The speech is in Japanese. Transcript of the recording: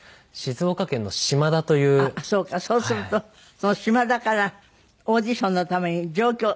そうするとその島田からオーディションのために上京？